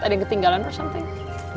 ada yang ketinggalan something